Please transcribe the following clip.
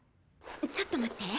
ちょっと待って。